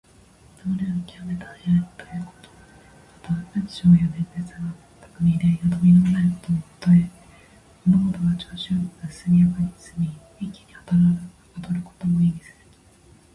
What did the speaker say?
流れが極めて速いということ。また、文章や弁舌が巧みでよどみのないことのたとえ。物事が調子良く速やかに進み、一気にはかどることも意味する。